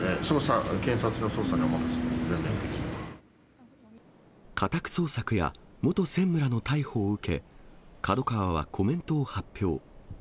捜査なんで、家宅捜索や、元専務らの逮捕を受け、ＫＡＤＯＫＡＷＡはコメントを発表。